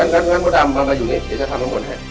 งั้นหัวดำมันมาอยู่ในเด็กเทศธรรมหมดไหม